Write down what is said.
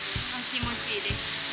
気持ちいいです。